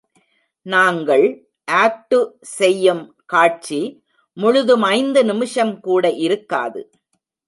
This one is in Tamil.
நாங்கள் ஆக்டு செய்யும் காட்சி முழுதும் ஐந்து நிமிஷம்கூட இருக்காது.